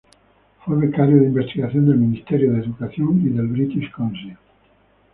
Fue becario de investigación del Ministerio de Educación y del British Council.